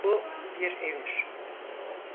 Bu bir emir.